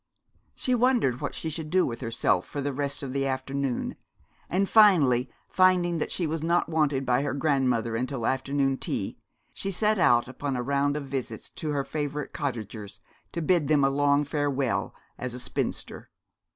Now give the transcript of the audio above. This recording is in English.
She wondered what she should do with herself for the rest of the afternoon, and finally, finding that she was not wanted by her grandmother until afternoon tea, she set out upon a round of visits to her favourite cottagers, to bid them a long farewell as a spinster.